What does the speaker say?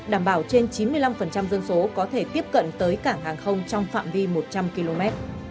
đảm bảo trên chín mươi năm dân số có thể tiếp cận tới cảng hàng không trong phạm vi một trăm linh km